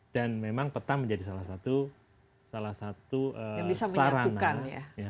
dan memang petang menjadi salah satu sarana